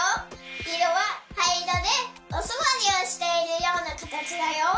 いろははいいろでおすわりをしているようなかたちだよ。